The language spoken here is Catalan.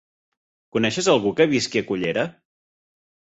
Coneixes algú que visqui a Cullera?